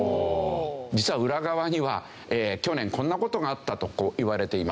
実は裏側には去年こんな事があったといわれています。